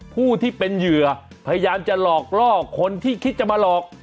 ผู้ที่เป็นเหยื่อพยายามจะหลอกล่อคนที่คิดจะมาหลอก